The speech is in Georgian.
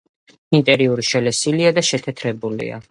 ინტერიერი შელესილია და შეთეთრებულია.